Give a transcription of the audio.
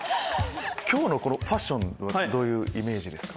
今日のファッションはどういうイメージですか？